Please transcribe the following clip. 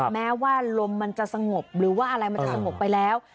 แม้ว่าลมมันจะสงบหรือว่าอะไรมันจะสงบไปแล้ว